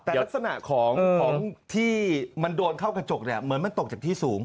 แต่ลักษณะของที่มันโดนเข้ากระจกเนี่ยเหมือนมันตกจากที่สูง